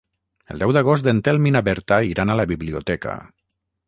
El deu d'agost en Telm i na Berta iran a la biblioteca.